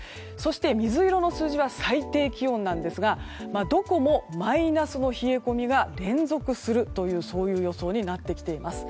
水色の数字は最低気温ですがどこもマイナスの冷え込みが連続するという予想になってきています。